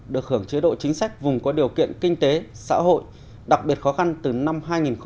được hưởng chế độ chính sách vùng có điều kiện kinh tế xã hội đặc biệt khó khăn từ năm hai nghìn một mươi